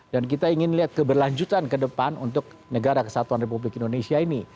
dan kita ingin lihat keberlanjutan ke depan untuk negara kesatuan republik indonesia ini